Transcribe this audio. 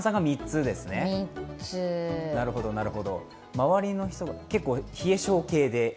周りの人が、結構冷え性で？